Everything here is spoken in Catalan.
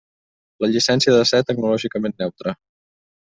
La llicència ha de ser tecnològicament neutra.